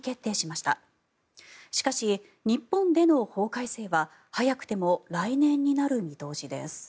しかし、日本での法改正は早くても来年になる見通しです。